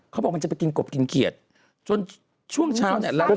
เขาบอกมันจะไปกินกบกินเขียดจนช่วงเช้าละหลานผ้ากัน